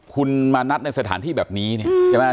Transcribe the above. คุณมานัดในสถานที่แบบนี้เนี่ย